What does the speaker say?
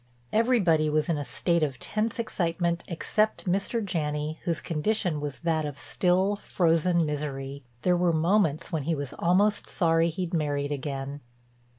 Everybody was in a state of tense excitement except Mr. Janney whose condition was that of still, frozen misery. There were moments when he was almost sorry he'd married again.